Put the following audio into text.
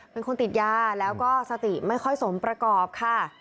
เป็นคนติดยาแล้วก็สติไม่ค่อยสมประกอบค่ะ